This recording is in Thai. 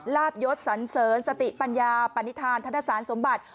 ลาบยกษเซิร์นสติปัญญาปฏธิธานธนสารสมบัติ